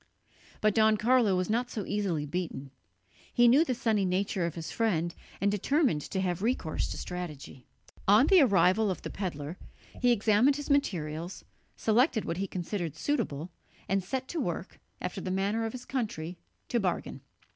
But Don Carlo was not so easily beaten; he knew the sunny nature of his friend, and determined to have recourse to strategy. On the arrival of the pedlar, he examined his materials, selected what he considered suitable, and set to work, after the manner of his country, to bargain.